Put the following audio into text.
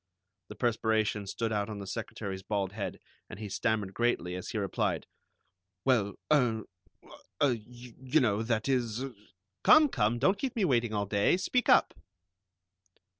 The perspiration stood out on the secretary's bald head, and he stammered greatly as he replied: "Well, er, ah, you know, that is " "Come, come! Don't keep me waiting all day. Speak up."